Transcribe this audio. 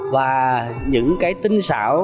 và những cái tính xảo